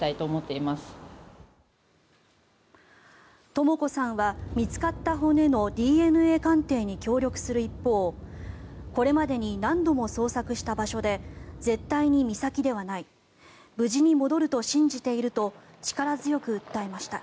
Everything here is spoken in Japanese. とも子さんは見つかった骨のＤＮＡ鑑定に協力する一方これまでに何度も捜索した場所で絶対に美咲ではない無事に戻ると信じていると力強く訴えました。